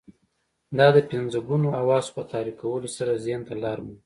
دا د پنځه ګونو حواسو په تحريکولو سره ذهن ته لار مومي.